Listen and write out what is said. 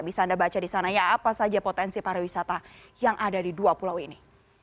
bisa anda baca di sana ya apa saja potensi pariwisata yang ada di dua pulau ini